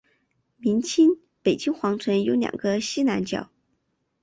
明清北京皇城有两个西南角。